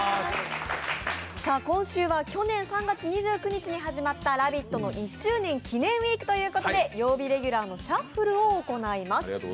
今週は去年３月２９日に始まった「ラヴィット！」の１周年記念ウイークということで曜日レギュラーのシャッフルを行います。